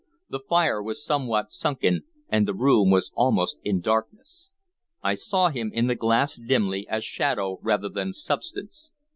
The fire was somewhat sunken, and the room was almost in darkness; I saw him in the glass dimly, as shadow rather than substance.